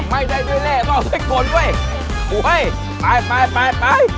ไม่ได้เรียกต้องเอาไปกดเว้ย